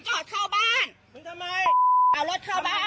พี่หยุด